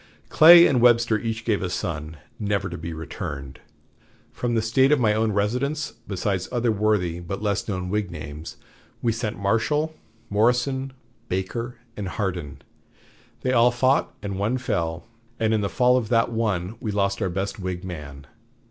Clay and Webster each gave a son, never to be returned. From the State of my own residence, besides other worthy but less known Whig names, we sent Marshall, Morrison, Baker, and Hardin; they all fought and one fell, and in the fall of that one we lost our best Whig man.